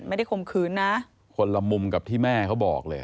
ไม่ได้คมคืนนะคนละมุมกับที่แม่เขาบอกเลยอ่ะอืม